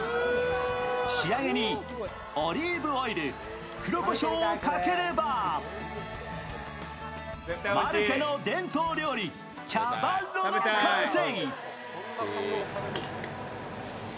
仕上げにオリーブオイル、黒こしょうをかければ、マルケの伝統料理、チャバッロの完成。